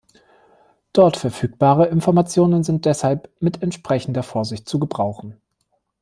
Dort verfügbare Informationen sind deshalb mit entsprechender Vorsicht zu gebrauchen.